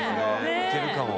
いけるかも。